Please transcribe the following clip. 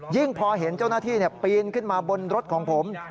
พอเห็นเจ้าหน้าที่ปีนขึ้นมาบนรถของผม